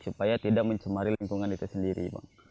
supaya tidak mencemari lingkungan itu sendiri